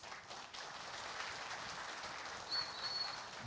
kediga pendukung tidak diperbolehkan memprovokasi pendukung lainnya